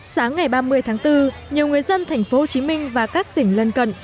sáng ngày ba mươi tháng bốn nhiều người dân thành phố hồ chí minh và các tỉnh lân cận